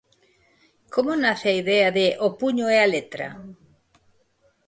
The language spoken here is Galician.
Como nace a idea de "O puño e a letra"?